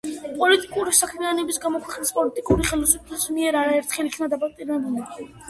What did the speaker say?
პოლიტიკური საქმიანობის გამო ქვეყნის პოლიტიკური ხელისუფლების მიერ არაერთხელ იქნა დაპატიმრებული.